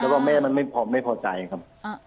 แล้วก็แม่มันไม่พอใจครับ